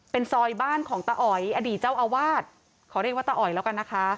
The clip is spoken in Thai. เป็นซอยบ้านของตาอ๋อยอดีตเจ้าอาวาสขอเรียกว่าตาอ๋อยแล้วกันนะคะ